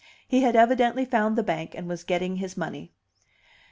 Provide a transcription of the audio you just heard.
He had evidently found the bank and was getting his money.